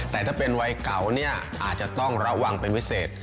แต่ถ้าเป็นวัยเก่าเนี่ยอาจจะต้องระวังเป็นพิเศษ